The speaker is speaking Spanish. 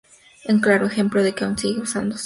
Un claro ejemplo de que aún sigue usándose.